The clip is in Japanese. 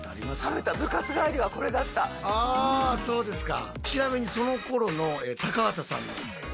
あそうですか。